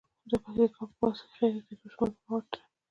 د پکتیکا په وازیخوا کې د سمنټو مواد شته.